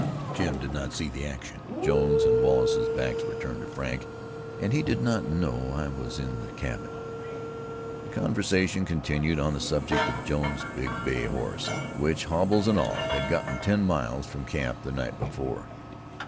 Jim did not see the action; Jones's and Wallace's backs were turned to Frank, and he did not know I was in the cabin. The conversation continued on the subject of Jones's big bay horse, which, hobbles and all, had gotten ten miles from camp the night before.